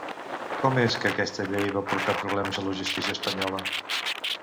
Com és que aquesta llei va portar problemes a la justícia espanyola?